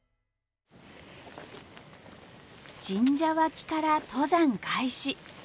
神社脇から登山開始。